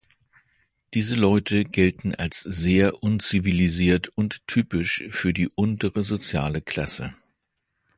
Diese Laute gelten als sehr unzivilisiert und typisch für die untere soziale Klasse.